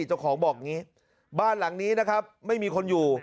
เจ้าของบอกอย่างนี้บ้านหลังนี้นะครับไม่มีคนอยู่